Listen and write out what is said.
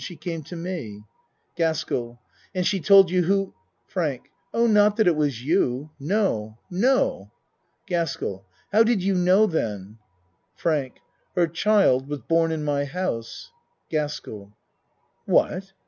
She came to me. GASKELL And she told you who ? FRANK Oh, not that it was you no no. GASKELL How did you know then? FRANK Her child was born in my house. GASKELL What